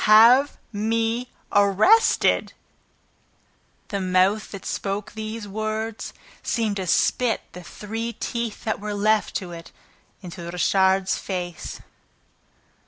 "HAVE ME ARRESTED!" The mouth that spoke those words seemed to spit the three teeth that were left to it into Richard's face.